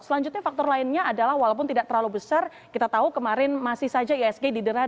selanjutnya faktor lainnya adalah walaupun tidak terlalu besar kita tahu kemarin masih saja isg didera